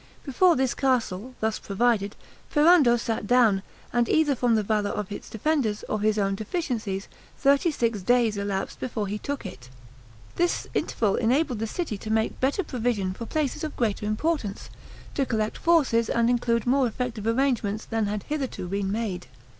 Before this castle, thus provided, Ferrando sat down, and either from the valor of its defenders or his own deficiencies, thirty six days elapsed before he took it. This interval enabled the city to make better provision for places of greater importance, to collect forces and conclude more effective arrangements than had hitherto been made.